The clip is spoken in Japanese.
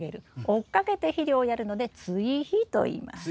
追っかけて肥料をやるので追肥といいます。